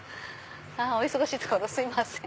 お忙しいところすいません！